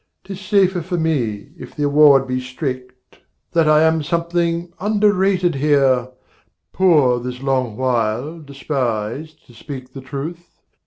'Tis safer for me, if the award be strict, That I am something underrated here, Poor this long while, despised, to speak the truth.